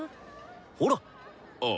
ほら。ああ。